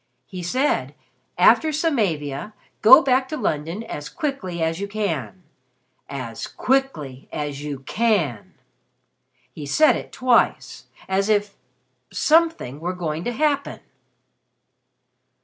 "He said 'After Samavia, go back to London as quickly as you can as quickly as you can.' He said it twice. As if something were going to happen."